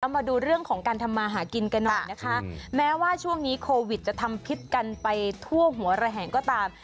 มาดูเรื่องของการทำมาหากินกันหน่อยนะคะแม้ว่าช่วงนี้โควิดจะทำพิษกันไปทั่วหัวระแหงก็ตาม